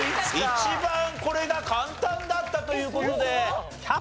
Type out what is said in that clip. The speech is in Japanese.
一番これが簡単だったという事で。